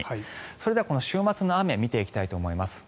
それでは、この週末の雨を見ていきたいと思います。